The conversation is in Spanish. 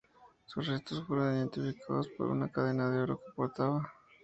Sus restos fueron identificados por una cadena de oro que portaba.